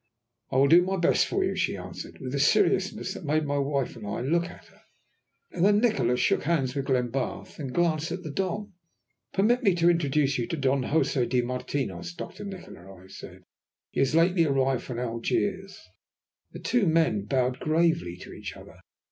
"I will do my best for you," she answered, with a seriousness that made my wife and I look at her. Then Nikola shook hands with Glenbarth, and glanced at the Don. "Permit me to introduce you to Don Josè de Martinos, Doctor Nikola," I said; "he has lately arrived from Algiers." The two men bowed gravely to each other.